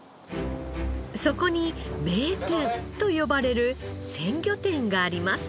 そこに名店と呼ばれる鮮魚店があります。